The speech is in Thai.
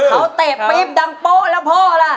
เขาเตะปี๊บดังโป๊ะแล้วพ่อล่ะ